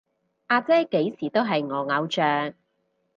阿姐幾時都係我偶像